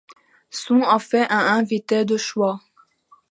Son en fait un invité de choix.